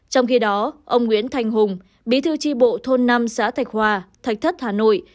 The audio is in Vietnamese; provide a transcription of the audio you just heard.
trong khi đó ông nguyễn thành hùng bí thư tri bộ thôn năm xã thạch hòa thạch thất hà nội